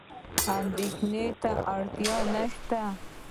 اندېښنې ته اړتیا نشته.